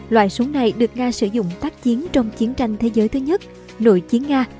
loại súng này được nga sử dụng tác chiến trong chiến tranh thế giới thứ nhất nội chiến nga